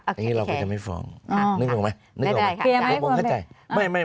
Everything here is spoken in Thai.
อันนี้เราไปทำให้ฟองอ๋อนึกออกไหมนึกออกไหมค่ะผมเข้าใจไม่ไม่